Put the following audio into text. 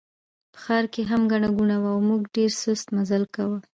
په ښار کې هم ګڼه ګوڼه وه او موږ ډېر سست مزل کاوه.